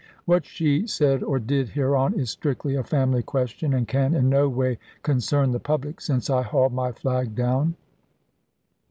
What she said or did hereon is strictly a family question, and can in no way concern the public, since I hauled my flag down.